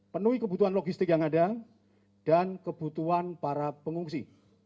penuhi kebutuhan logistik yang ada dan kebutuhan para pengungsi